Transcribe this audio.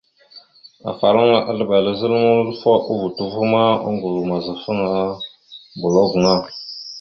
Afalaŋa aslaɓal a zal mulofa o voto ava ma, oŋgov mazafaŋa mbolo gaŋa.